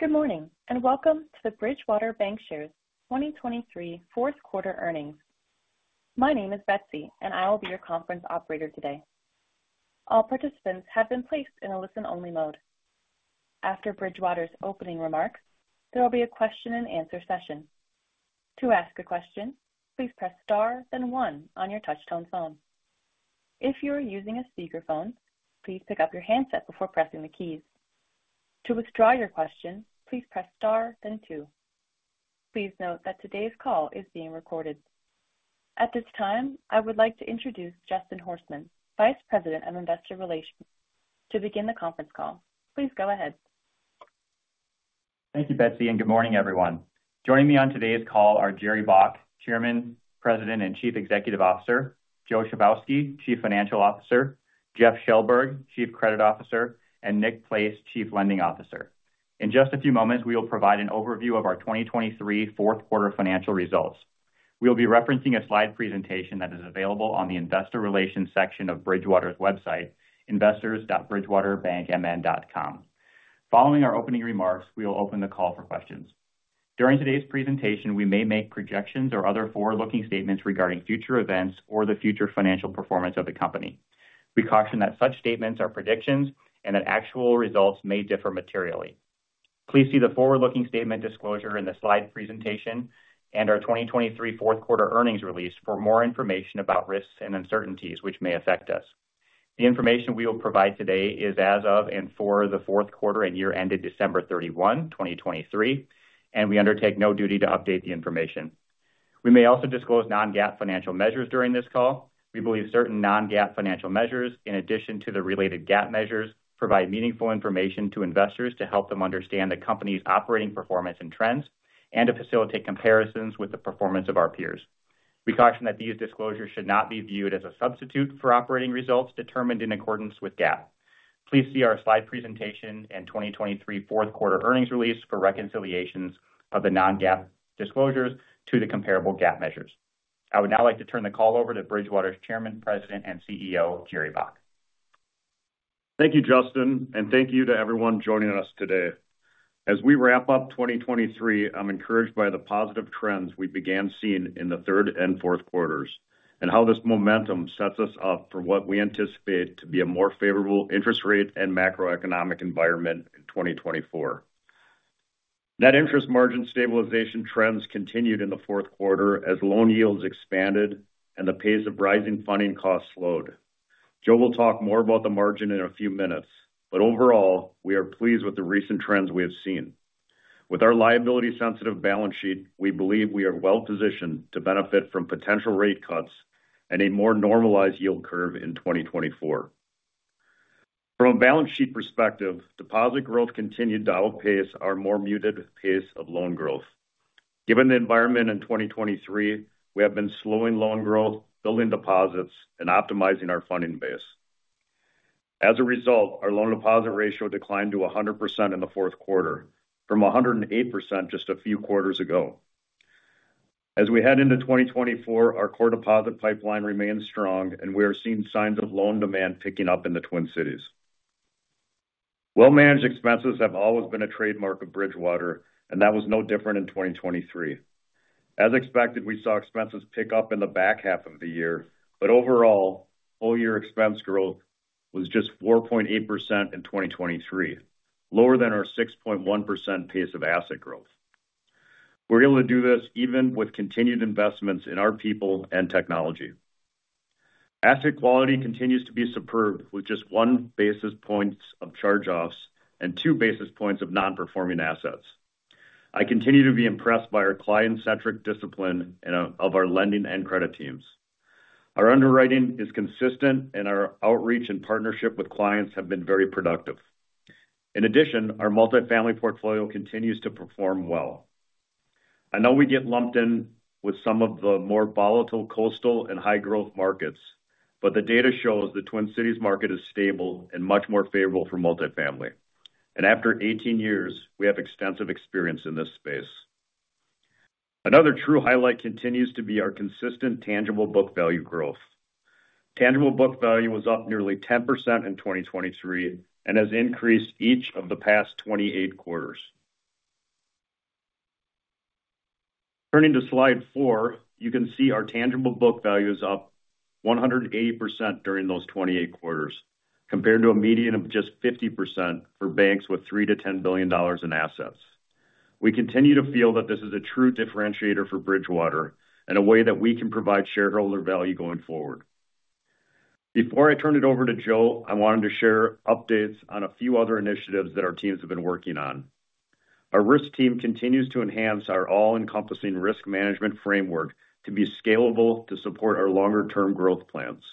Good morning, and welcome to the Bridgewater Bancshares 2023 Q4 earnings. My name is Betsy, and I will be your conference operator today. All participants have been placed in a listen-only mode. After Bridgewater's opening remarks, there will be a question-and-answer session. To ask a question, please press star then 1 on your touchtone phone. If you are using a speakerphone, please pick up your handset before pressing the keys. To withdraw your question, please press star then 2. Please note that today's call is being recorded. At this time, I would like to introduce Justin Horstman, Vice President of Investor Relations, to begin the conference call. Please go ahead. Thank you, Betsy, and good morning, everyone. Joining me on today's call are Jerry Baack, Chairman, President, and Chief Executive Officer, Joe Chybowski, Chief Financial Officer, Jeff Shellberg, Chief Credit Officer, and Nick Place, Chief Lending Officer. In just a few moments, we will provide an overview of our 2023 Q4 financial results. We will be referencing a slide presentation that is available on the investor relations section of Bridgewater's website, investors.bridgewaterbankmn.com. Following our opening remarks, we will open the call for questions. During today's presentation, we may make projections or other forward-looking statements regarding future events or the future financial performance of the company. We caution that such statements are predictions and that actual results may differ materially. Please see the forward-looking statement disclosure in the slide presentation and our 2023 Q4 earnings release for more information about risks and uncertainties which may affect us. The information we will provide today is as of and for the Q4 and year ended December 31, 2023, and we undertake no duty to update the information. We may also disclose non-GAAP financial measures during this call. We believe certain non-GAAP financial measures, in addition to the related GAAP measures, provide meaningful information to investors to help them understand the company's operating performance and trends and to facilitate comparisons with the performance of our peers. We caution that these disclosures should not be viewed as a substitute for operating results determined in accordance with GAAP. Please see our slide presentation and 2023 Q4 earnings release for reconciliations of the non-GAAP disclosures to the comparable GAAP measures. I would now like to turn the call over to Bridgewater's Chairman, President, and CEO, Jerry Baack. Thank you, Justin, and thank you to everyone joining us today. As we wrap up 2023, I'm encouraged by the positive trends we began seeing in the third and fourth quarters, and how this momentum sets us up for what we anticipate to be a more favorable interest rate and macroeconomic environment in 2024. Net interest margin stabilization trends continued in the fourth quarter as loan yields expanded and the pace of rising funding costs slowed. Joe will talk more about the margin in a few minutes, but overall, we are pleased with the recent trends we have seen. With our liability-sensitive balance sheet, we believe we are well positioned to benefit from potential rate cuts and a more normalized yield curve in 2024. From a balance sheet perspective, deposit growth continued to outpace our more muted pace of loan growth. Given the environment in 2023, we have been slowing loan growth, building deposits, and optimizing our funding base. As a result, our loan deposit ratio declined to 100% in the fourth quarter from 108% just a few quarters ago. As we head into 2024, our core deposit pipeline remains strong and we are seeing signs of loan demand picking up in the Twin Cities. Well-managed expenses have always been a trademark of Bridgewater, and that was no different in 2023. As expected, we saw expenses pick up in the back half of the year, but overall, full-year expense growth was just 4.8% in 2023, lower than our 6.1% pace of asset growth. We're able to do this even with continued investments in our people and technology. Asset quality continues to be superb, with just 1 basis point of charge-offs and 2 basis points of non-performing assets. I continue to be impressed by our client-centric discipline and of our lending and credit teams. Our underwriting is consistent and our outreach and partnership with clients have been very productive. In addition, our multifamily portfolio continues to perform well. I know we get lumped in with some of the more volatile coastal and high-growth markets, but the data shows the Twin Cities market is stable and much more favorable for multifamily. After 18 years, we have extensive experience in this space. Another true highlight continues to be our consistent tangible book value growth. Tangible book value was up nearly 10% in 2023 and has increased each of the past 28 quarters. Turning to Slide 4, you can see our tangible book value is up 180% during those 28 quarters, compared to a median of just 50% for banks with $3 billion-$10 billion in assets. We continue to feel that this is a true differentiator for Bridgewater and a way that we can provide shareholder value going forward. Before I turn it over to Joe, I wanted to share updates on a few other initiatives that our teams have been working on. Our risk team continues to enhance our all-encompassing risk management framework to be scalable to support our longer-term growth plans.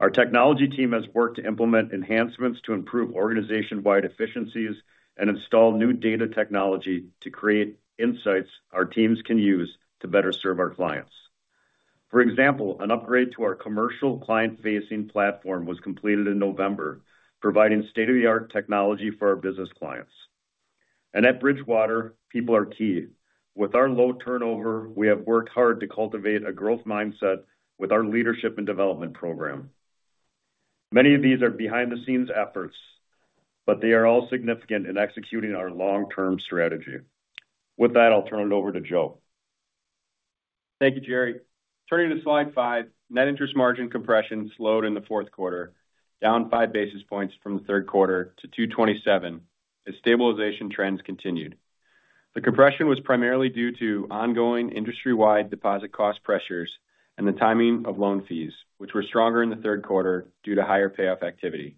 Our technology team has worked to implement enhancements to improve organization-wide efficiencies and install new data technology to create insights our teams can use to better serve our clients. For example, an upgrade to our commercial client-facing platform was completed in November, providing state-of-the-art technology for our business clients. And at Bridgewater, people are key. With our low turnover, we have worked hard to cultivate a growth mindset with our leadership and development program. Many of these are behind-the-scenes efforts, but they are all significant in executing our long-term strategy. With that, I'll turn it over to Joe. Thank you, Jerry. Turning to Slide 5, net interest margin compression slowed in the fourth quarter, down 5 basis points from the Q3 to 2.27, as stabilization trends continued. The compression was primarily due to ongoing industry-wide deposit cost pressures and the timing of loan fees, which were stronger in the third quarter due to higher payoff activity.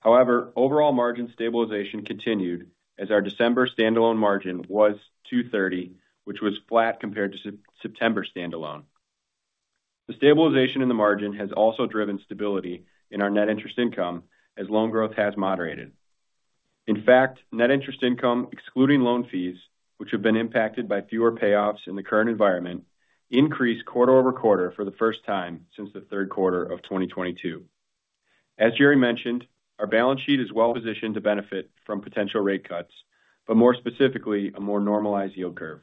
However, overall margin stabilization continued as our December standalone margin was 2.30, which was flat compared to September standalone. The stabilization in the margin has also driven stability in our net interest income as loan growth has moderated. In fact, net interest income, excluding loan fees, which have been impacted by fewer payoffs in the current environment, increased quarter-over-quarter for the first time since the Q3 of 2022. As Jerry mentioned, our balance sheet is well positioned to benefit from potential rate cuts, but more specifically, a more normalized yield curve.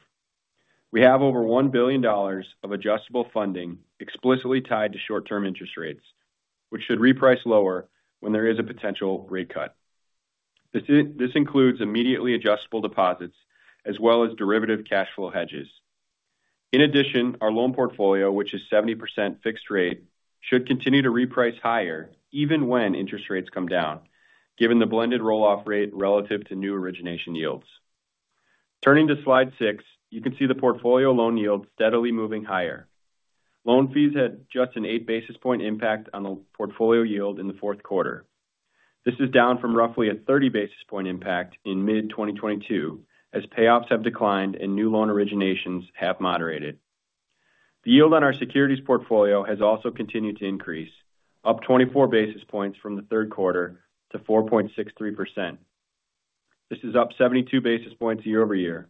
We have over $1 billion of adjustable funding explicitly tied to short-term interest rates, which should reprice lower when there is a potential rate cut. This includes immediately adjustable deposits as well as derivative cash flow hedges. In addition, our loan portfolio, which is 70% fixed rate, should continue to reprice higher even when interest rates come down, given the blended roll-off rate relative to new origination yields. Turning to Slide 6, you can see the portfolio loan yield steadily moving higher. Loan fees had just an eight basis points impact on the portfolio yield in the fourth quarter. This is down from roughly a thirty basis points impact in mid-2022, as payoffs have declined and new loan originations have moderated. The yield on our securities portfolio has also continued to increase, up 24 basis points from the Q3 to 4.63%. This is up 72 basis points year-over-year.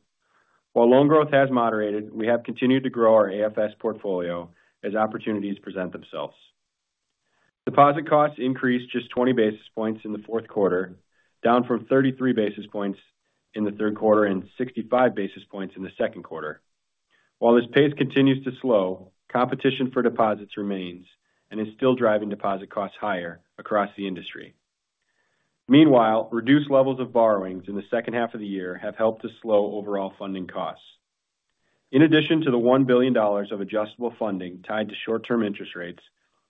While loan growth has moderated, we have continued to grow our AFS portfolio as opportunities present themselves. Deposit costs increased just 20 basis points in the fourth quarter, down from 33 basis points in the third quarter and 65 basis points in the second quarter. While this pace continues to slow, competition for deposits remains and is still driving deposit costs higher across the industry. Meanwhile, reduced levels of borrowings in the second half of the year have helped to slow overall funding costs. In addition to the $1 billion of adjustable funding tied to short-term interest rates,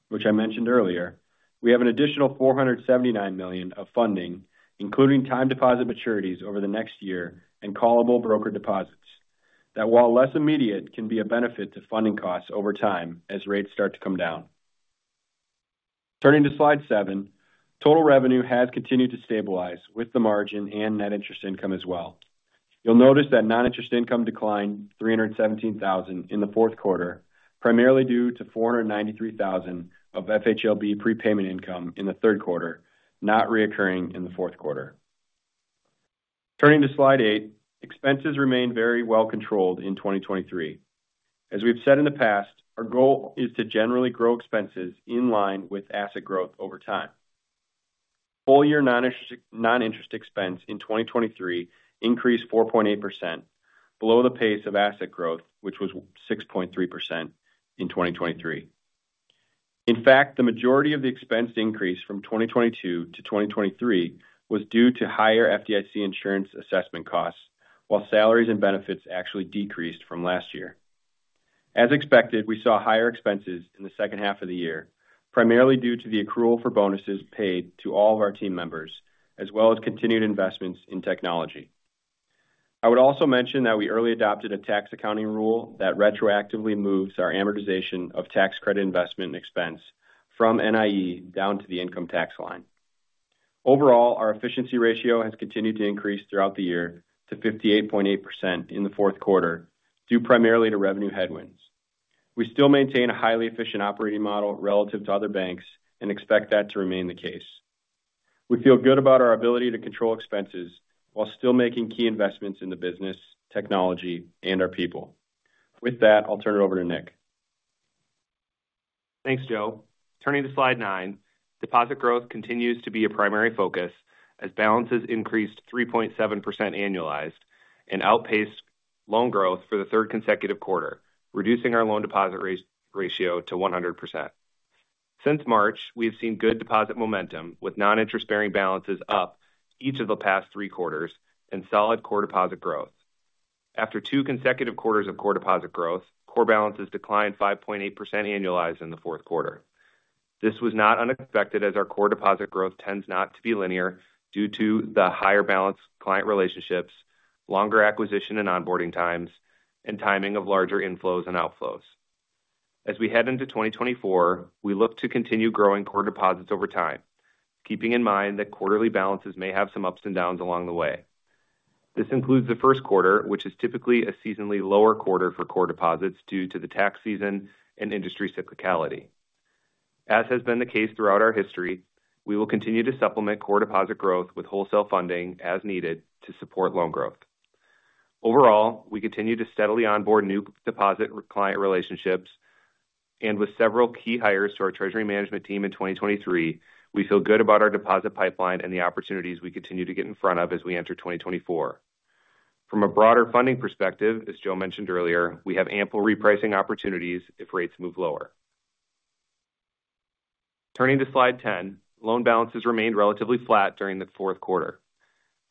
which I mentioned earlier, we have an additional $479 million of funding, including time deposit maturities over the next year and callable brokered deposits, that, while less immediate, can be a benefit to funding costs over time as rates start to come down. Turning to Slide 7, total revenue has continued to stabilize with the margin and net interest income as well. You'll notice that non-interest income declined $317,000 in the fourth quarter, primarily due to $493,000 of FHLB prepayment income in the third quarter, not recurring in the fourth quarter. Turning to Slide 8, expenses remained very well controlled in 2023. As we've said in the past, our goal is to generally grow expenses in line with asset growth over time. Full-year non-interest expense in 2023 increased 4.8%, below the pace of asset growth, which was 6.3% in 2023. In fact, the majority of the expense increase from 2022 to 2023 was due to higher FDIC insurance assessment costs, while salaries and benefits actually decreased from last year. As expected, we saw higher expenses in the second half of the year, primarily due to the accrual for bonuses paid to all of our team members, as well as continued investments in technology. I would also mention that we early adopted a tax accounting rule that retroactively moves our amortization of tax credit investment expense from NIE down to the income tax line. Overall, our efficiency ratio has continued to increase throughout the year to 58.8% in the fourth quarter, due primarily to revenue headwinds. We still maintain a highly efficient operating model relative to other banks and expect that to remain the case. We feel good about our ability to control expenses while still making key investments in the business, technology, and our people. With that, I'll turn it over to Nick. Thanks, Joe. Turning to Slide 9. Deposit growth continues to be a primary focus as balances increased 3.7% annualized and outpaced loan growth for the third consecutive quarter, reducing our loan-to-deposit ratio to 100%. Since March, we have seen good deposit momentum, with non-interest-bearing balances up each of the past three quarters and solid core deposit growth. After two consecutive quarters of core deposit growth, core balances declined 5.8% annualized in the fourth quarter. This was not unexpected, as our core deposit growth tends not to be linear due to the higher balance client relationships, longer acquisition and onboarding times, and timing of larger inflows and outflows. As we head into 2024, we look to continue growing core deposits over time, keeping in mind that quarterly balances may have some ups and downs along the way. This includes the Q1, which is typically a seasonally lower quarter for core deposits due to the tax season and industry cyclicality. As has been the case throughout our history, we will continue to supplement core deposit growth with wholesale funding as needed to support loan growth. Overall, we continue to steadily onboard new deposit client relationships, and with several key hires to our treasury management team in 2023, we feel good about our deposit pipeline and the opportunities we continue to get in front of as we enter 2024. From a broader funding perspective, as Joe mentioned earlier, we have ample repricing opportunities if rates move lower. Turning to Slide 10, loan balances remained relatively flat during the Q4.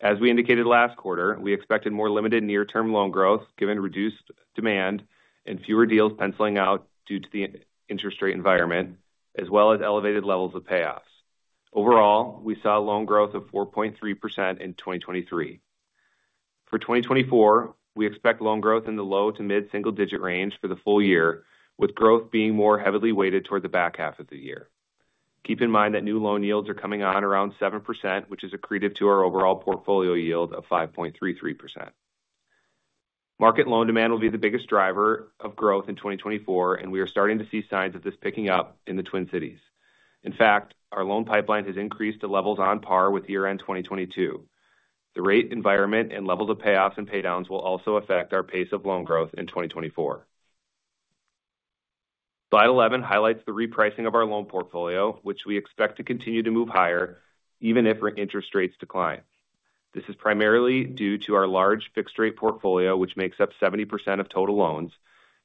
As we indicated last quarter, we expected more limited near-term loan growth, given reduced demand and fewer deals penciling out due to the high-interest rate environment, as well as elevated levels of payoffs. Overall, we saw loan growth of 4.3% in 2023. For 2024, we expect loan growth in the low to mid-single digit range for the full year, with growth being more heavily weighted toward the back half of the year. Keep in mind that new loan yields are coming on around 7%, which is accretive to our overall portfolio yield of 5.33%. Market loan demand will be the biggest driver of growth in 2024, and we are starting to see signs of this picking up in the Twin Cities. In fact, our loan pipeline has increased to levels on par with year-end 2022. The rate environment and levels of payoffs and paydowns will also affect our pace of loan growth in 2024. Slide 11 highlights the repricing of our loan portfolio, which we expect to continue to move higher even if the interest rates decline. This is primarily due to our large fixed rate portfolio, which makes up 70% of total loans,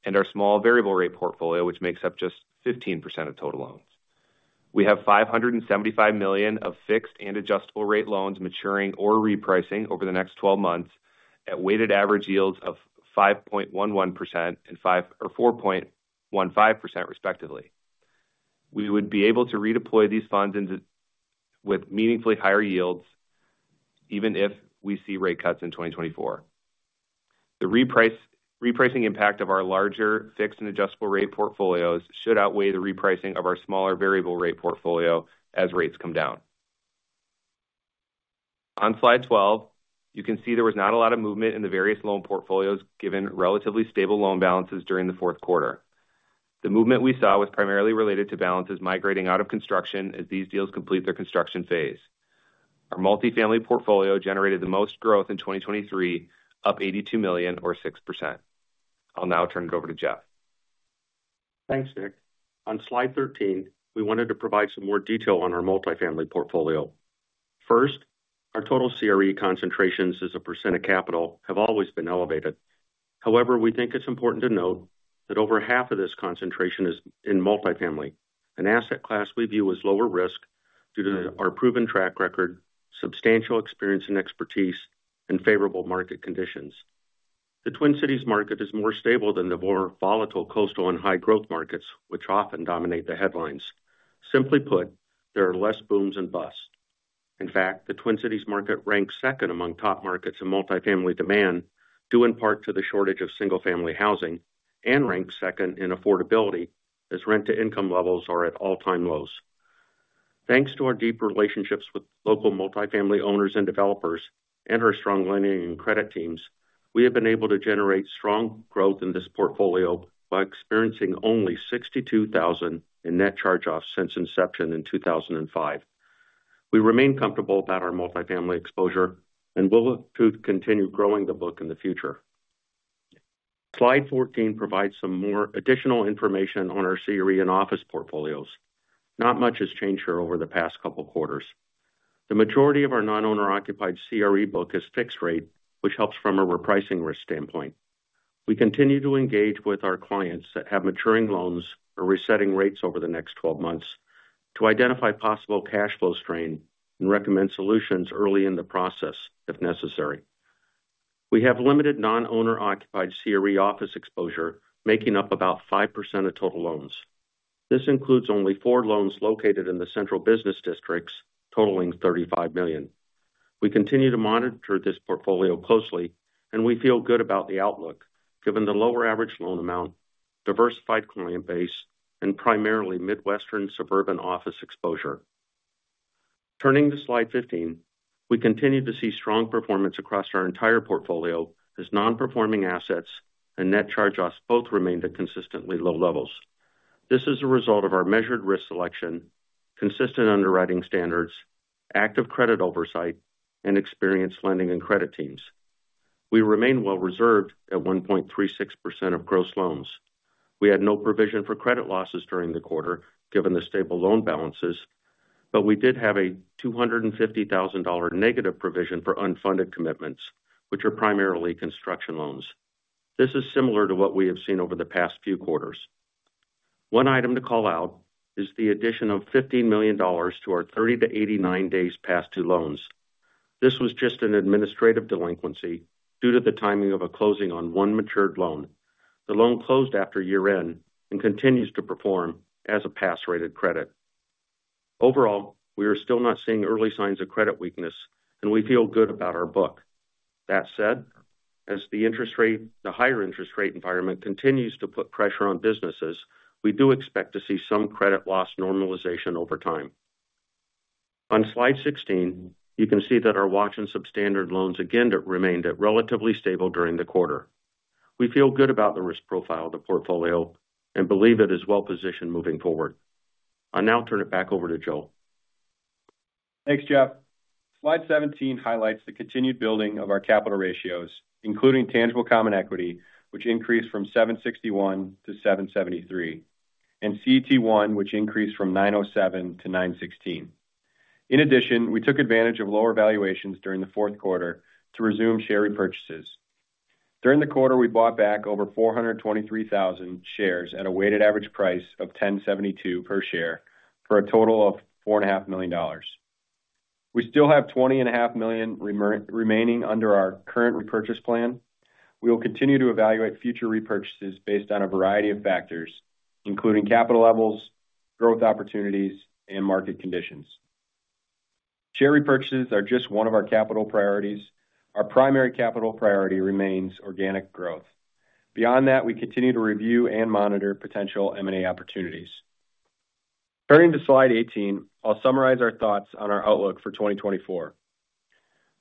and our small variable rate portfolio, which makes up just 15% of total loans. We have $575 million of fixed and adjustable rate loans maturing or repricing over the next 12 months at weighted average yields of 5.11% and 4.15%, respectively. We would be able to redeploy these funds into... with meaningfully higher yields, even if we see rate cuts in 2024. The repricing impact of our larger fixed and adjustable rate portfolios should outweigh the repricing of our smaller variable rate portfolio as rates come down. On Slide 12, you can see there was not a lot of movement in the various loan portfolios, given relatively stable loan balances during the Q4. The movement we saw was primarily related to balances migrating out of construction as these deals complete their construction phase. Our multifamily portfolio generated the most growth in 2023, up $82 million, or 6%. I'll now turn it over to Jeff. Thanks, Nick. On Slide 13, we wanted to provide some more detail on our multifamily portfolio. First, our total CRE concentrations as a % of capital have always been elevated. However, we think it's important to note that over half of this concentration is in multifamily, an asset class we view as lower risk due to our proven track record, substantial experience and expertise, and favorable market conditions. The Twin Cities market is more stable than the more volatile coastal and high growth markets, which often dominate the headlines. Simply put, there are less booms and busts. In fact, the Twin Cities market ranks second among top markets in multifamily demand, due in part to the shortage of single-family housing, and ranks second in affordability, as rent-to-income levels are at all-time lows. Thanks to our deep relationships with local multifamily owners and developers and our strong lending and credit teams, we have been able to generate strong growth in this portfolio by experiencing only $62,000 in net charge-offs since inception in 2005. We remain comfortable about our multifamily exposure and will look to continue growing the book in the future. Slide 14 provides some more additional information on our CRE and office portfolios. Not much has changed here over the past couple quarters. The majority of our non-owner occupied CRE book is fixed rate, which helps from a repricing risk standpoint. We continue to engage with our clients that have maturing loans or resetting rates over the next 12 months to identify possible cash flow strain and recommend solutions early in the process, if necessary. We have limited non-owner occupied CRE office exposure, making up about 5% of total loans. This includes only 4 loans located in the central business districts, totaling $35 million. We continue to monitor this portfolio closely, and we feel good about the outlook, given the lower average loan amount, diversified client base, and primarily Midwestern suburban office exposure. Turning to Slide 15, we continue to see strong performance across our entire portfolio as non-performing assets and net charge-offs both remained at consistently low levels. This is a result of our measured risk selection, consistent underwriting standards, active credit oversight, and experienced lending and credit teams. We remain well reserved at 1.36% of gross loans. We had no provision for credit losses during the quarter, given the stable loan balances, but we did have a $250,000 negative provision for unfunded commitments, which are primarily construction loans. This is similar to what we have seen over the past few quarters. One item to call out is the addition of $15 million to our 30-89 days past-due loans. This was just an administrative delinquency due to the timing of a closing on one matured loan. The loan closed after year-end and continues to perform as a pass-rated credit. Overall, we are still not seeing early signs of credit weakness, and we feel good about our book. That said, as the interest rate, the higher interest rate environment continues to put pressure on businesses, we do expect to see some credit loss normalization over time. On Slide 16, you can see that our watch and substandard loans again remained relatively stable during the quarter. We feel good about the risk profile of the portfolio and believe it is well-positioned moving forward. I'll now turn it back over to Joe. Thanks, Jeff. Slide 17 highlights the continued building of our capital ratios, including tangible common equity, which increased from 7.61 to 7.73, and CET1, which increased from 9.07 to 9.16. In addition, we took advantage of lower valuations during the Q4 to resume share repurchases. During the quarter, we bought back over 423,000 shares at a weighted average price of $10.72 per share, for a total of $4.5 million. We still have $20.5 million remaining under our current repurchase plan. We will continue to evaluate future repurchases based on a variety of factors, including capital levels, growth opportunities, and market conditions. Share repurchases are just one of our capital priorities. Our primary capital priority remains organic growth. Beyond that, we continue to review and monitor potential M&A opportunities. Turning to Slide 18, I'll summarize our thoughts on our outlook for 2024.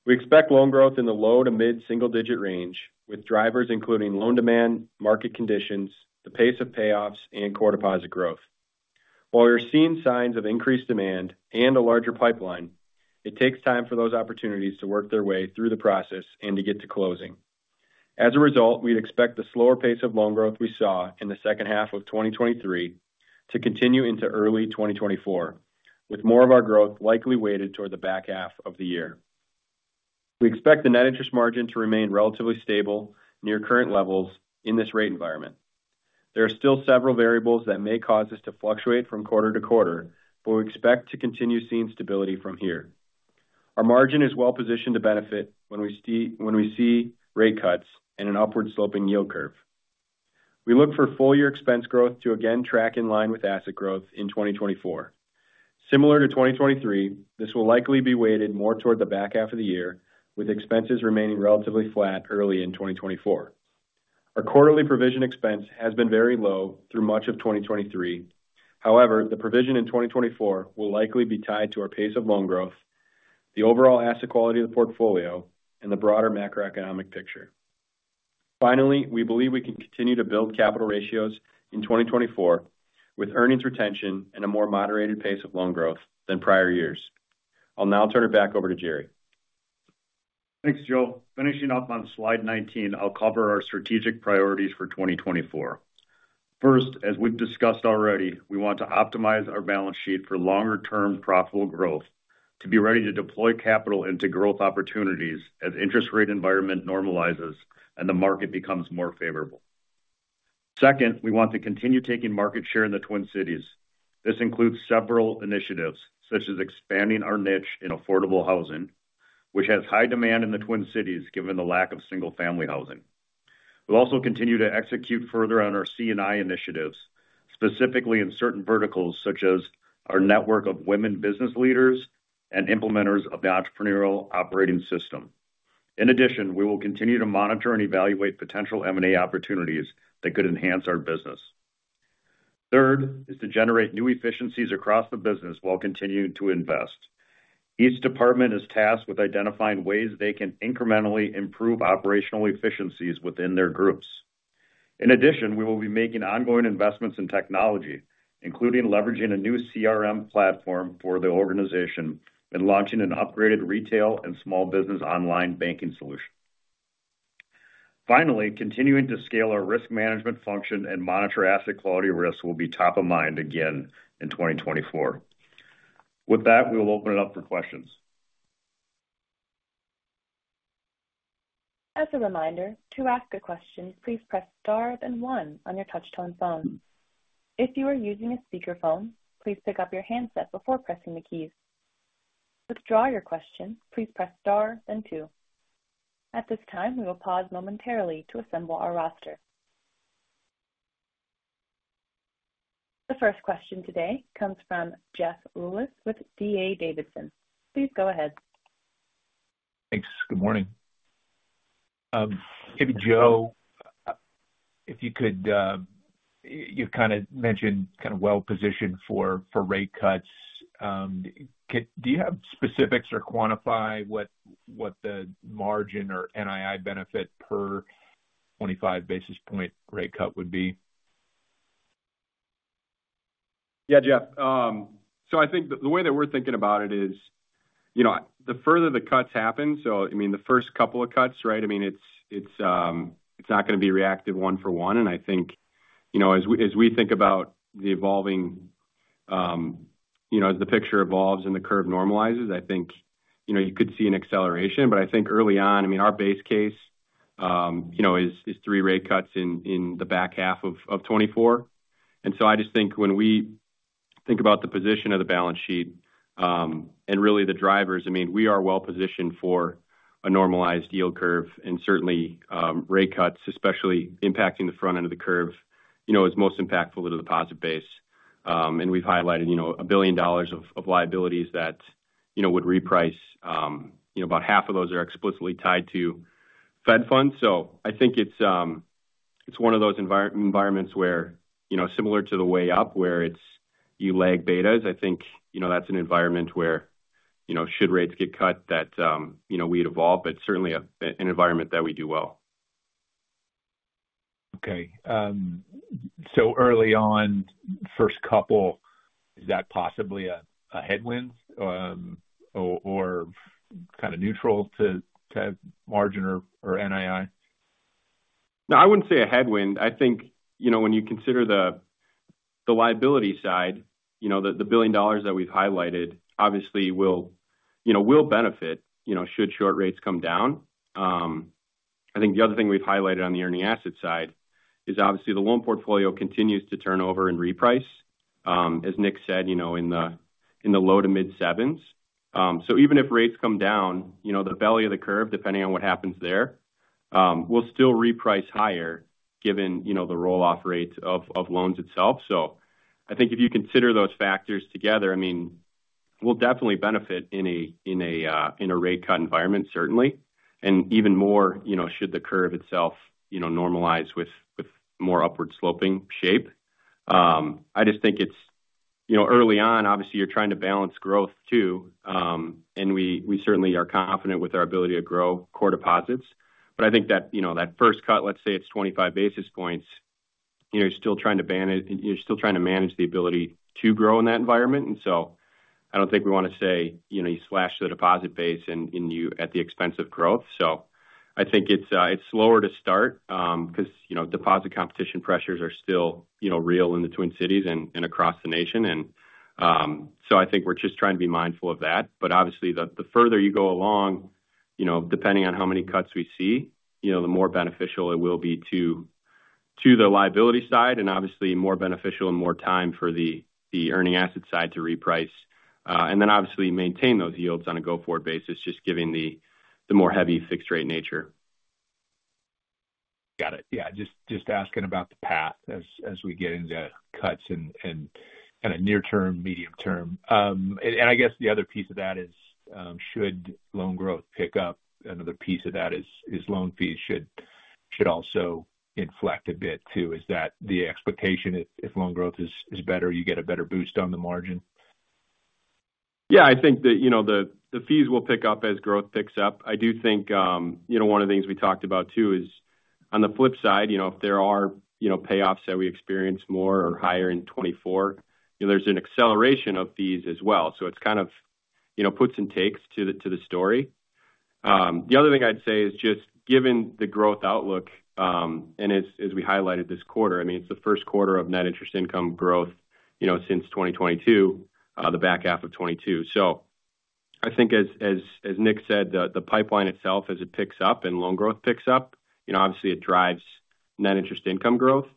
We expect loan growth in the low to mid-single digit range, with drivers including loan demand, market conditions, the pace of payoffs, and core deposit growth. While we're seeing signs of increased demand and a larger pipeline, it takes time for those opportunities to work their way through the process and to get to closing. As a result, we'd expect the slower pace of loan growth we saw in the second half of 2023 to continue into early 2024, with more of our growth likely weighted toward the back half of the year. We expect the net interest margin to remain relatively stable, near current levels in this rate environment. There are still several variables that may cause us to fluctuate from quarter-to-quarter, but we expect to continue seeing stability from here. Our margin is well positioned to benefit when we see rate cuts and an upward sloping yield curve. We look for full-year expense growth to again track in line with asset growth in 2024. Similar to 2023, this will likely be weighted more toward the back half of the year, with expenses remaining relatively flat early in 2024. Our quarterly provision expense has been very low through much of 2023. However, the provision in 2024 will likely be tied to our pace of loan growth, the overall asset quality of the portfolio, and the broader macroeconomic picture. Finally, we believe we can continue to build capital ratios in 2024 with earnings retention and a more moderated pace of loan growth than prior years. I'll now turn it back over to Jerry. Thanks, Joe. Finishing up on Slide 19, I'll cover our strategic priorities for 2024. First, as we've discussed already, we want to optimize our balance sheet for longer-term profitable growth to be ready to deploy capital into growth opportunities as interest rate environment normalizes and the market becomes more favorable. Second, we want to continue taking market share in the Twin Cities. This includes several initiatives, such as expanding our niche in affordable housing, which has high demand in the Twin Cities, given the lack of single-family housing. We'll also continue to execute further on our C&I initiatives, specifically in certain verticals, such as our network of women business leaders and implementers of the Entrepreneurial Operating System. In addition, we will continue to monitor and evaluate potential M&A opportunities that could enhance our business. Third, is to generate new efficiencies across the business while continuing to invest. Each department is tasked with identifying ways they can incrementally improve operational efficiencies within their groups. In addition, we will be making ongoing investments in technology, including leveraging a new CRM platform for the organization and launching an upgraded retail and small business online banking solution. Finally, continuing to scale our risk management function and monitor asset quality risks will be top of mind again in 2024. With that, we will open it up for questions. As a reminder, to ask a question, please press Star then 1 on your touchtone phone. If you are using a speakerphone, please pick up your handset before pressing the keys. To withdraw your question, please press Star then 2. At this time, we will pause momentarily to assemble our roster. The first question today comes from Jeff Rulis with D.A. Davidson. Please go ahead. Thanks. Good morning. Maybe, Joe, if you could, you kind of mentioned kind of well-positioned for, for rate cuts. Could you have specifics or quantify what, what the margin or NII benefit per 25 basis point rate cut would be? Yeah, Jeff. So I think the way that we're thinking about it is, you know, the further the cuts happen, so I mean, the first couple of cuts, right? I mean, it's not going to be reactive one for one. And I think, you know, as we think about the evolving, you know, as the picture evolves and the curve normalizes, I think, you know, you could see an acceleration. But I think early on, I mean, our base case, you know, is three rate cuts in the back half of 2024. And so I just think when we think about the position of the balance sheet, and really the drivers, I mean, we are well positioned for a normalized yield curve and certainly rate cuts, especially impacting the front end of the curve, you know, is most impactful to the deposit base. And we've highlighted, you know, $1 billion of liabilities that would reprice. You know, about half of those are explicitly tied to Fed funds. So I think it's one of those environments where, you know, similar to the way up where it's you lag betas. I think, you know, that's an environment where, you know, should rates get cut that we'd evolve, but certainly an environment that we do well. Okay. So early on, first couple, is that possibly a headwind, or kind of neutral to margin or NII? No, I wouldn't say a headwind. I think, you know, when you consider the liability side, you know, the $1 billion that we've highlighted obviously will, you know, will benefit, you know, should short rates come down. I think the other thing we've highlighted on the earning asset side is obviously the loan portfolio continues to turn over and reprice, as Nick said, you know, in the low to mid sevens. So even if rates come down, you know, the belly of the curve, depending on what happens there, we'll still reprice higher given, you know, the roll-off rates of loans itself. So I think if you consider those factors together, I mean, we'll definitely benefit in a rate cut environment, certainly, and even more, you know, should the curve itself, you know, normalize with more upward sloping shape. I just think it's, you know, early on, obviously, you're trying to balance growth too, and we certainly are confident with our ability to grow core deposits. But I think that, you know, that first cut, let's say it's 25 basis points, you're still trying to manage the ability to grow in that environment. And so I don't think we want to say, you know, you slash the deposit base and you at the expense of growth. So I think it's, it's slower to start, 'cause, you know, deposit competition pressures are still, you know, real in the Twin Cities and, and across the nation. And, so I think we're just trying to be mindful of that. But obviously, the further you go along, you know, depending on how many cuts we see, you know, the more beneficial it will be to the liability side and obviously more beneficial and more time for the earning asset side to reprice. And then obviously maintain those yields on a go-forward basis, just given the more heavy fixed rate nature. Got it. Yeah, just asking about the path as we get into cuts and kind of near term, medium term. And I guess the other piece of that is, should loan growth pick up? Another piece of that is, loan fees should also inflect a bit too. Is that the expectation, if loan growth is better, you get a better boost on the margin? Yeah, I think that, you know, the, the fees will pick up as growth picks up. I do think, you know, one of the things we talked about too is on the flip side, you know, if there are, you know, payoffs that we experience more or higher in 2024, you know, there's an acceleration of fees as well. So it's kind of, you know, puts and takes to the, to the story. The other thing I'd say is just given the growth outlook, and as, as we highlighted this quarter, I mean, it's the Q1 of net interest income growth, you know, since 2022, the back half of 2022. So I think as, as, as Nick said, the, the pipeline itself, as it picks up and loan growth picks up, you know, obviously it drives net interest income growth.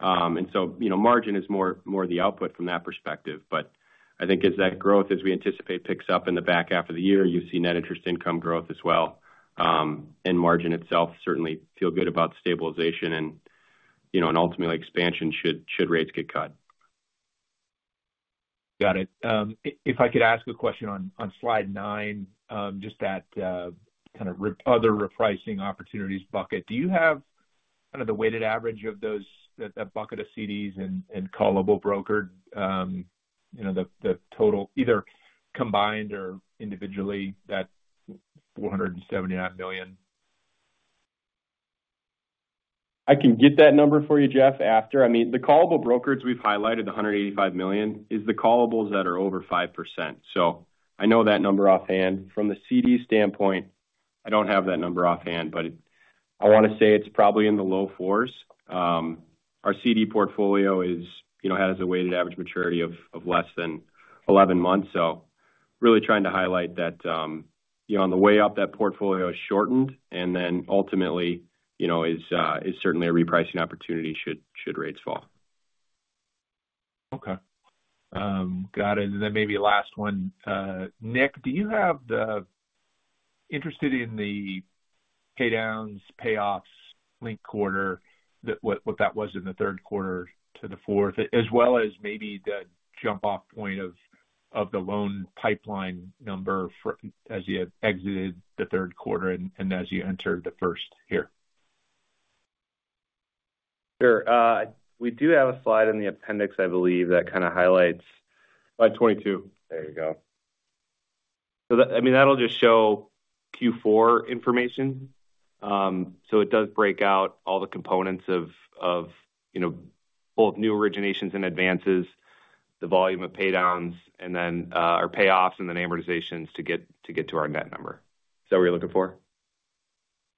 And so, you know, margin is more the output from that perspective. But I think as that growth, as we anticipate, picks up in the back half of the year, you see net interest income growth as well. And margin itself certainly feel good about stabilization and, you know, and ultimately expansion should rates get cut. Got it. If I could ask a question on Slide nine, just that kind of the other repricing opportunities bucket. Do you have kind of the weighted average of those, that bucket of CDs and callable brokered, you know, the total, either combined or individually, that $479 million? I can get that number for you, Jeff, after. I mean, the callable brokered we've highlighted, the $185 million, is the callables that are over 5%. So I know that number offhand. From the CD standpoint, I don't have that number offhand, but it, I wanna say it's probably in the low 4s. Our CD portfolio, you know, has a weighted average maturity of less than 11 months. So really trying to highlight that, you know, on the way up, that portfolio is shortened and then ultimately, you know, is certainly a repricing opportunity should rates fall. Okay. Got it. And then maybe last one. Nick, do you have the... Interested in the pay downs, payoffs, linked quarter, the—what, what that was in the third quarter to the fourth, as well as maybe the jump-off point of, of the loan pipeline number for—as you had exited the Q3 and, and as you entered the first here. Sure. We do have a slide in the appendix, I believe, that kind of highlights- Slide 22. There you go. So that, I mean, that'll just show Q4 information. So it does break out all the components of, you know, both new originations and advances, the volume of pay downs, and then, our payoffs and then amortizations to get to our net number. Is that what you're looking for?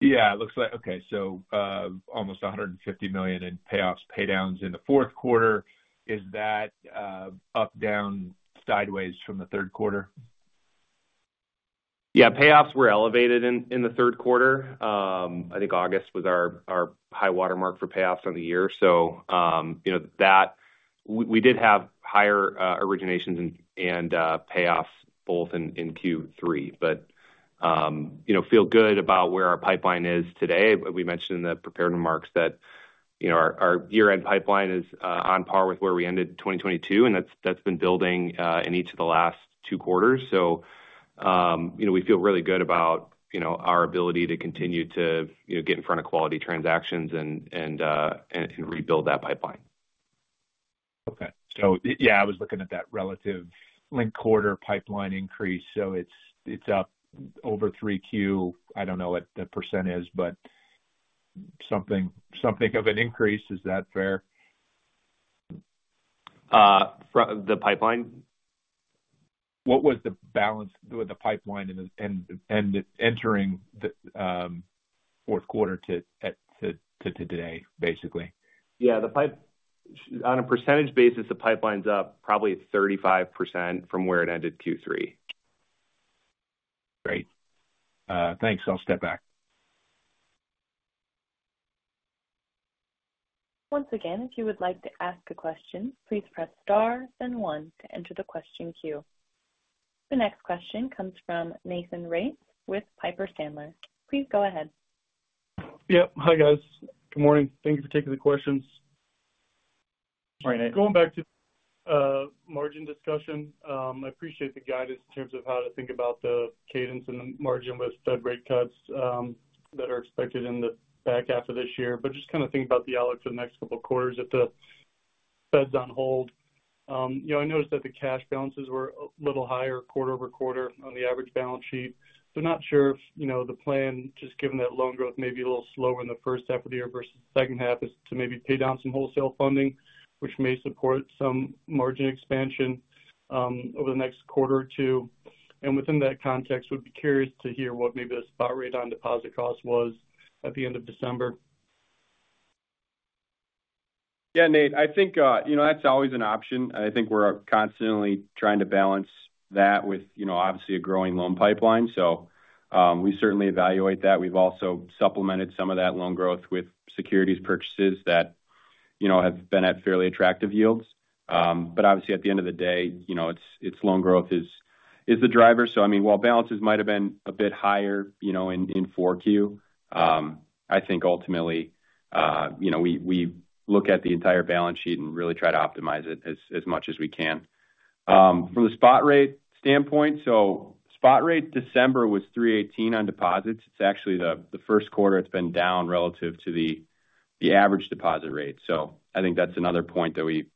Yeah, it looks like... Okay, so, almost $150 million in payoffs, pay downs in the fourth quarter. Is that, up, down, sideways from the Q3? Yeah. Payoffs were elevated in the third quarter. I think August was our high water mark for payoffs on the year. So, you know, we did have higher originations and payoffs both in Q3. But, you know, feel good about where our pipeline is today. We mentioned in the prepared remarks that, you know, our year-end pipeline is on par with where we ended in 2022, and that's been building in each of the last two quarters. So, you know, we feel really good about, you know, our ability to continue to, you know, get in front of quality transactions and rebuild that pipeline. Okay. So yeah, I was looking at that relative linked quarter pipeline increase. So it's, it's up over 3Q. I don't know what the percent is, but something, something of an increase. Is that fair?... from the pipeline? What was the balance with the pipeline and then entering the Q4 to today, basically? Yeah, the pipeline's up probably 35% from where it ended Q3. Great. Thanks. I'll step back. Once again, if you would like to ask a question, please press Star, then 1 to enter the question queue. The next question comes from Nathan Race with Piper Sandler. Please go ahead. Yep. Hi, guys. Good morning. Thank you for taking the questions. Hi, Nate. Going back to margin discussion, I appreciate the guidance in terms of how to think about the cadence and the margin with Fed rate cuts that are expected in the back half of this year. But just kind of think about the outlook for the next couple of quarters if the Fed's on hold. You know, I noticed that the cash balances were a little higher quarter-over-quarter on the average balance sheet. So not sure if, you know, the plan, just given that loan growth may be a little slower in the first half of the year versus the second half, is to maybe pay down some wholesale funding, which may support some margin expansion over the next quarter or two. Within that context, would be curious to hear what maybe the spot rate on deposit cost was at the end of December? Yeah, Nate, I think, you know, that's always an option, and I think we're constantly trying to balance that with, you know, obviously a growing loan pipeline. So, we certainly evaluate that. We've also supplemented some of that loan growth with securities purchases that, you know, have been at fairly attractive yields. But obviously, at the end of the day, you know, it's loan growth is the driver. So I mean, while balances might have been a bit higher, you know, in 4Q, I think ultimately, you know, we look at the entire balance sheet and really try to optimize it as much as we can. From the spot rate standpoint, so spot rate, December was 3.18 on deposits. It's actually the Q1 it's been down relative to the average deposit rate. I think that's another point that we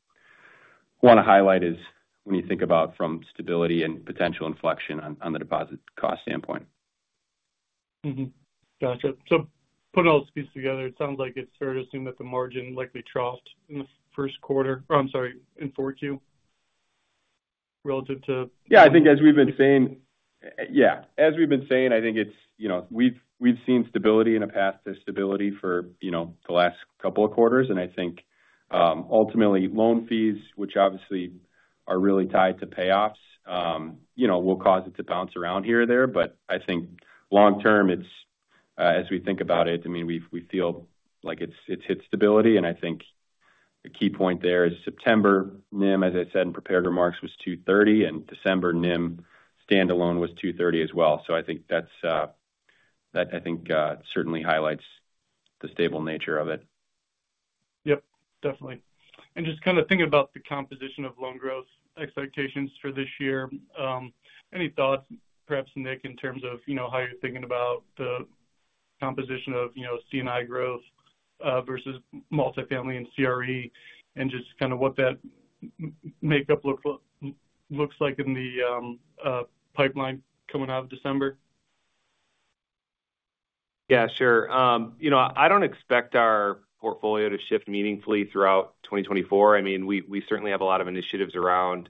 wanna highlight, is when you think about from stability and potential inflection on the deposit cost standpoint. Mm-hmm. Gotcha. So putting all those pieces together, it sounds like it's fair to assume that the margin likely troughed in the first quarter- oh, I'm sorry, in Q2 relative to- Yeah, I think as we've been saying... Yeah, as we've been saying, I think it's, you know, we've, we've seen stability in a path to stability for, you know, the last couple of quarters. And I think ultimately, loan fees, which obviously are really tied to payoffs, you know, will cause it to bounce around here or there. But I think long term, it's, as we think about it, I mean, we, we feel like it's, it's hit stability. And I think the key point there is September NIM, as I said in prepared remarks, was 2.30, and December NIM standalone was 2.30 as well. So I think that's, that I think, certainly highlights the stable nature of it. Yep, definitely. And just kind of thinking about the composition of loan growth expectations for this year, any thoughts, perhaps, Nick, in terms of, you know, how you're thinking about the composition of, you know, C&I growth, versus multifamily and CRE, and just kind of what that makeup looks like in the pipeline coming out of December? Yeah, sure. You know, I don't expect our portfolio to shift meaningfully throughout 2024. I mean, we certainly have a lot of initiatives around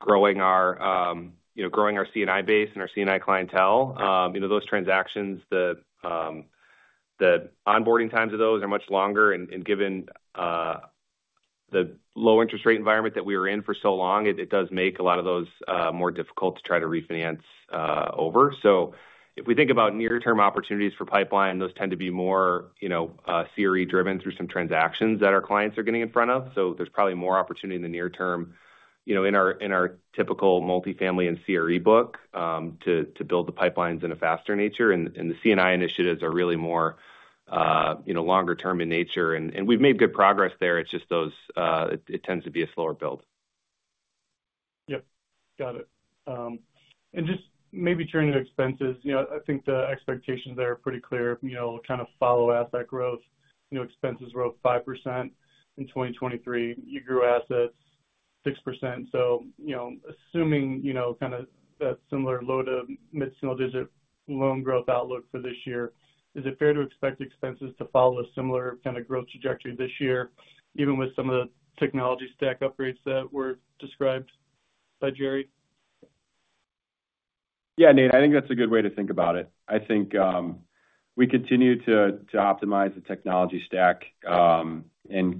growing our C&I base and our C&I clientele. You know, those transactions, the onboarding times of those are much longer, and given the low interest rate environment that we were in for so long, it does make a lot of those more difficult to try to refinance over. So if we think about near-term opportunities for pipeline, those tend to be more, you know, CRE driven through some transactions that our clients are getting in front of. So there's probably more opportunity in the near term, you know, in our typical multifamily and CRE book to build the pipelines in a faster nature. And the C&I initiatives are really more, you know, longer term in nature, and we've made good progress there. It's just those... it tends to be a slower build. Yep, got it. And just maybe turning to expenses, you know, I think the expectations there are pretty clear. You know, kind of follow asset growth. You know, expenses were up 5% in 2023. You grew assets 6%. So, you know, assuming, you know, kind of that similar low to mid single digit loan growth outlook for this year, is it fair to expect expenses to follow a similar kind of growth trajectory this year, even with some of the technology stack upgrades that were described by Jerry? Yeah, Nate, I think that's a good way to think about it. I think, we continue to, to optimize the technology stack, and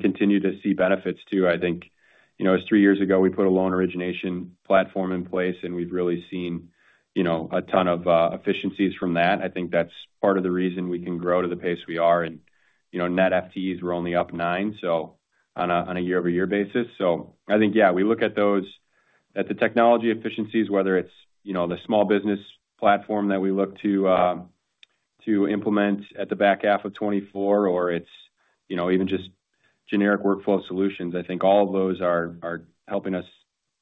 continue to see benefits, too. I think, you know, it was 3 years ago, we put a loan origination platform in place, and we've really seen, you know, a ton of, efficiencies from that. I think that's part of the reason we can grow to the pace we are, and you know, net FTEs were only up 9, so on a year-over-year basis. So I think, yeah, we look at those, at the technology efficiencies, whether it's, you know, the small business platform that we look to, to implement at the back half of 2024, or it's, you know, even just generic workflow solutions. I think all of those are, are helping us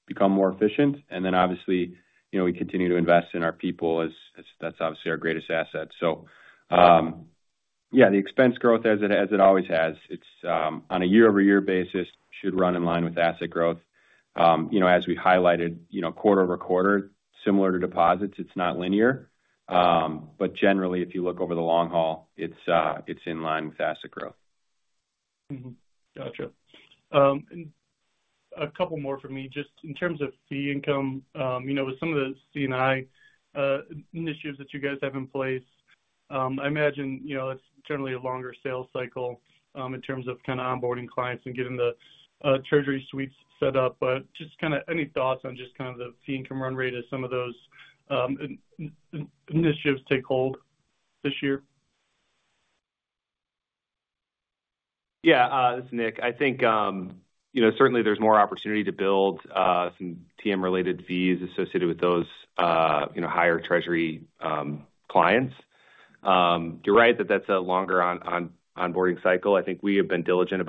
become more efficient. And then obviously, you know, we continue to invest in our people as, as that's obviously our greatest asset. So, yeah, the expense growth as it always has, it's on a year-over-year basis, should run in line with asset growth. You know, as we highlighted, you know, quarter-over-quarter, similar to deposits, it's not linear. But generally, if you look over the long haul, it's in line with asset growth. Mm-hmm. Gotcha. And a couple more for me, just in terms of fee income. You know, with some of the C&I initiatives that you guys have in place, I imagine, you know, it's generally a longer sales cycle, in terms of kind of onboarding clients and getting the treasury suites set up. But just kind of any thoughts on just kind of the fee income run rate as some of those initiatives take hold this year? Yeah, this is Nick. I think, you know, certainly there's more opportunity to build some TM-related fees associated with those, you know, higher treasury clients. You're right that that's a longer onboarding cycle. I think we have been diligent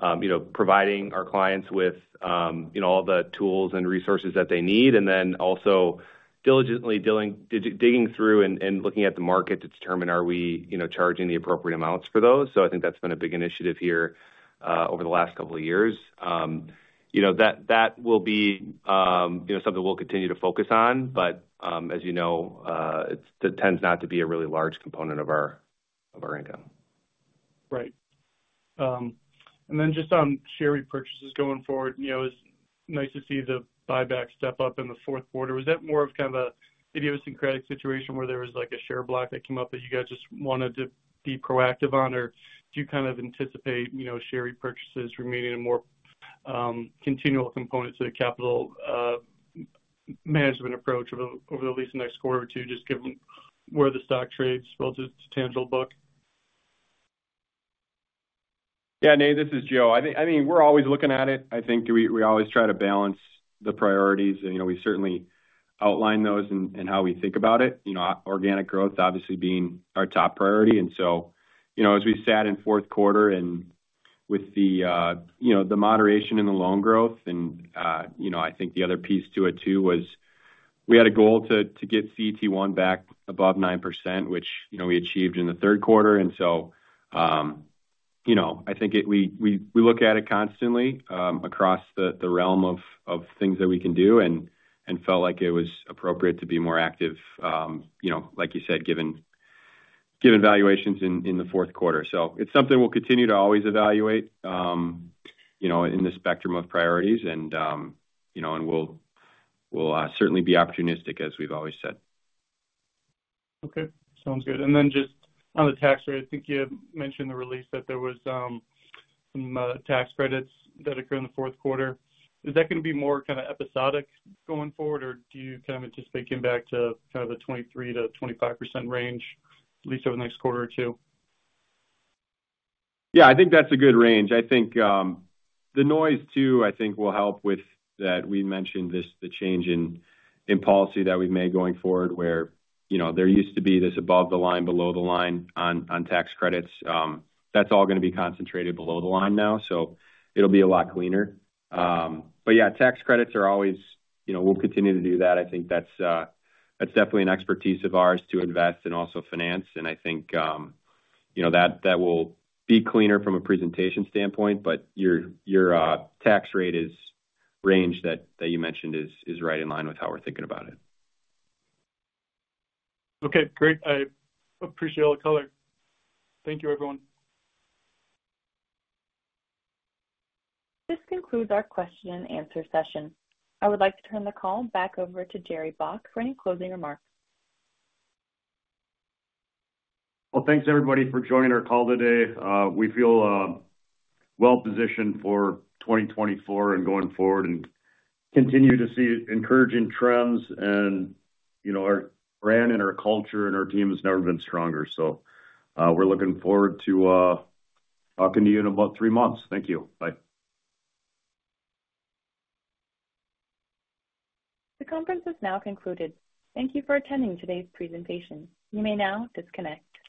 about, you know, providing our clients with, you know, all the tools and resources that they need, and then also diligently digging through and looking at the market to determine are we, you know, charging the appropriate amounts for those. So I think that's been a big initiative here over the last couple of years. You know, that will be, you know, something we'll continue to focus on. But, as you know, it tends not to be a really large component of our income. Right. And then just on share repurchases going forward, you know, it's nice to see the buyback step up in the fourth quarter. Was that more of kind of a idiosyncratic situation where there was, like, a share block that came up that you guys just wanted to be proactive on? Or do you kind of anticipate, you know, share repurchases remaining a more continual component to the capital management approach over the at least the next quarter or two, just given where the stock trades relative to tangible book? Yeah, Nate, this is Joe. I think—I mean, we're always looking at it. I think we always try to balance the priorities, and, you know, we certainly outline those and how we think about it, you know, organic growth obviously being our top priority. And so, you know, as we sat in Q4 and with the, you know, the moderation in the loan growth and, you know, I think the other piece to it, too, was we had a goal to get CET1 back above 9%, which, you know, we achieved in the third quarter. And so, you know, I think it... We look at it constantly across the realm of things that we can do and felt like it was appropriate to be more active, you know, like you said, given valuations in the fourth quarter. So it's something we'll continue to always evaluate, you know, in the spectrum of priorities and, you know, and we'll certainly be opportunistic, as we've always said. Okay, sounds good. And then just on the tax rate, I think you had mentioned in the release that there was some tax credits that occurred in the fourth quarter. Is that going to be more kind of episodic going forward, or do you kind of anticipate getting back to kind of the 23%-25% range, at least over the next quarter or two? Yeah, I think that's a good range. I think, the noise, too, I think, will help with that. We mentioned this, the change in policy that we've made going forward, where, you know, there used to be this above the line, below the line on tax credits. That's all going to be concentrated below the line now, so it'll be a lot cleaner. But yeah, tax credits are always... You know, we'll continue to do that. I think that's, that's definitely an expertise of ours to invest and also finance. And I think, you know, that, that will be cleaner from a presentation standpoint, but your tax rate is range that you mentioned is right in line with how we're thinking about it. Okay, great. I appreciate all the color. Thank you, everyone. This concludes our question and answer session. I would like to turn the call back over to Jerry Baack for any closing remarks. Well, thanks, everybody, for joining our call today. We feel well positioned for 2024 and going forward and continue to see encouraging trends. You know, our brand and our culture and our team has never been stronger. So, we're looking forward to talking to you in about three months. Thank you. Bye. The conference is now concluded. Thank you for attending today's presentation. You may now disconnect.